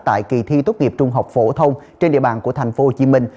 tại kỳ thi tốt nghiệp trung học phổ thông trên địa bàn của thành phố hồ chí minh